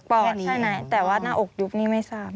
แค่ไหนแต่ว่าหน้าอกยุบนี่ไม่ทราบ